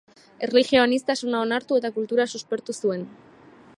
Erlijio-aniztasuna onartu eta kultura suspertu zuen.